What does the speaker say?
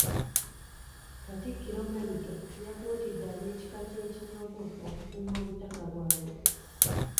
Katikkiro Mayiga yakuutidde ab'ekika ky'Ekinyomo okukuuma obutaka bwabwe.